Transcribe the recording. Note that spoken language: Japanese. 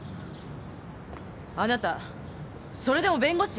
あなたそれでも弁護士？